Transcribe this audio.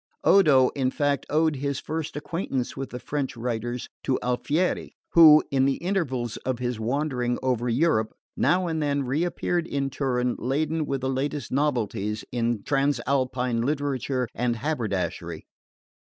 Odo in fact owed his first acquaintance with the French writers to Alfieri, who, in the intervals of his wandering over Europe, now and then reappeared in Turin laden with the latest novelties in Transalpine literature and haberdashery.